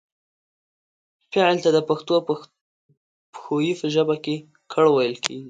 فعل ته د پښتو پښويې په ژبه کې کړ ويل کيږي